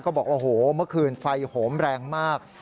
ก็บอกโอ้โหเมื่อคืนไฟโหมแรงมาก